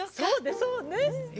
そうねそうね。